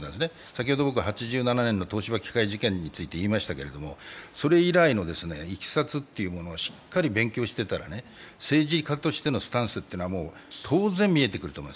先ほど８７年の東芝機械事件について言いましたけれども、それ以来のいきさつをしっかり勉強していたら、政治家としてのスタンスというのは当然見えてくると思う。